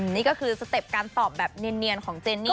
นี่ก็คือสเต็ปการตอบแบบเนียนของเจนนี่